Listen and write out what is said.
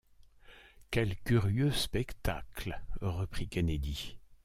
Quel curieux spectacle ! reprit Kennedy.